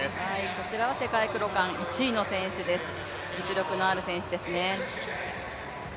こちらは世界クロカン１位の選手です、実力のある選手ですね。